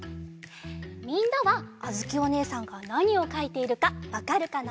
みんなはあづきおねえさんがなにをかいているかわかるかな？